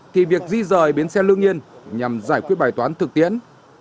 thì việc di rời bến xe lương nhiên nhằm giải quyết bài toán thực tiễn